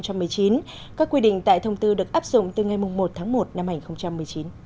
các quy định tại thông tư được áp dụng từ ngày một tháng một năm hai nghìn một mươi chín